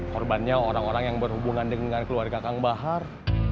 korbannya orang orang yang berhubungan dengan keluarga kang bahar